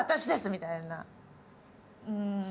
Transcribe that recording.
みたいな。